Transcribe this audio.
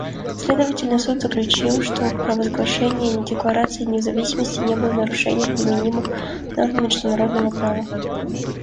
Следовательно, Суд заключил, что провозглашение декларации независимости не было нарушением применимых норм международного права.